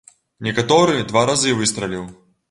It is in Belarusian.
Некаторы два разы выстраліў.